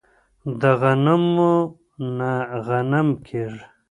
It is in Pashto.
د غنمو نه غنم کيږي.